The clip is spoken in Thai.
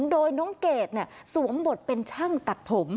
โดยน้องเกดสวมบทเป็นช่างตัดผม